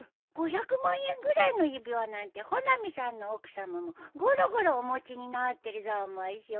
５００万円ぐらいの指輪なんて穂波さんの奥さまもごろごろお持ちになってるざましょ？